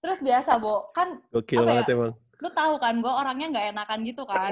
terus biasa bu kan apa ya lo tau kan gue orangnya gak enakan gitu kan